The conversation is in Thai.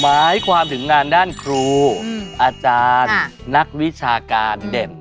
หมายความถึงงานด้านครูอาจารย์นักวิชาการเด่น